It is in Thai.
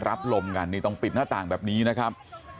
รับลมกันนี่ต้องปิดหน้าต่างแบบนี้นะครับ